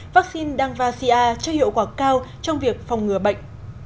vaccine dengvasia cho hiệu quả cao trong việc phòng ngừa bệnh